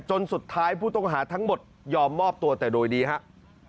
สุดท้ายผู้ต้องหาทั้งหมดยอมมอบตัวแต่โดยดีครับ